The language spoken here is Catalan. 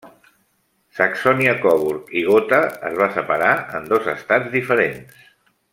Saxònia-Coburg i Gotha, es va separar en dos estats diferents.